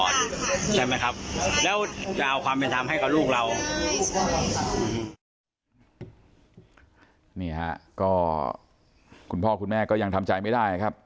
นี่ฮะก็คุณพ่อคุณแม่ก็ยังทำใจไม่ได้ครับ